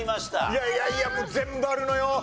いやいやいやもう全部あるのよ。